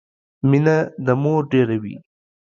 مينه د مور ډيره وي